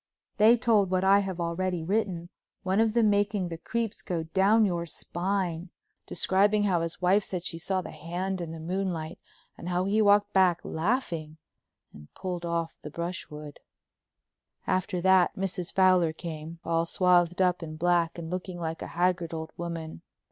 They told what I have already written, one of them making the creeps go down your spine, describing how his wife said she saw the hand in the moonlight, and how he walked back, laughing, and pulled off the brushwood. After that Mrs. Fowler came, all swathed up in black and looking like a haggard old woman.